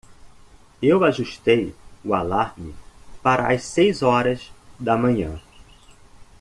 Eu ajustei o alarme para as seis horas da manhã.